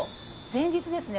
前日ですね